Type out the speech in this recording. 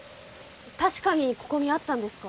確かにここにあったんですか？